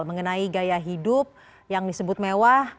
mengenai gaya hidup yang disebut mewah